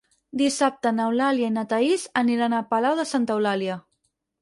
Dissabte n'Eulàlia i na Thaís aniran a Palau de Santa Eulàlia.